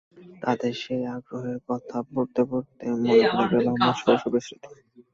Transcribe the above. তাদের সেই আগ্রহের কথা পড়তে পড়তে মনে পড়ে গেল আমার শৈশবের স্মৃতি।